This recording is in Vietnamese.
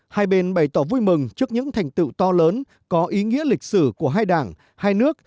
hai bên bày tỏ vui mừng trước những thành tựu to lớn có ý nghĩa lịch sử của hai đảng hai nước